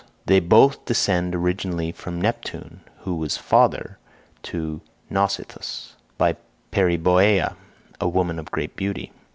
They both descend originally from Neptune, who was father to Nausithous by Periboea, a woman of great beauty.